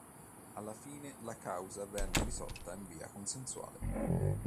Alla fine la causa venne risolta in via consensuale.